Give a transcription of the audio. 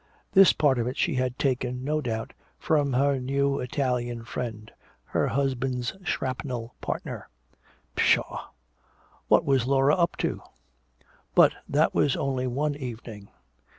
This part of it she had taken, no doubt, from her new Italian friend, her husband's shrapnel partner. Pshaw! What was Laura up to? But that was only one evening.